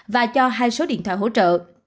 và cho hai số điện thoại hỗ trợ